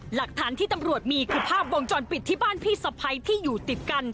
หลักฐานที่ตำรวจมีคือภาพวงจรปิดที่บ้านพี่สะพ้ายที่อยู่ติดกัน